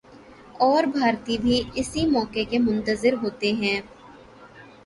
اور بھارتی بھی اسی موقع کے منتظر ہوتے ہیں۔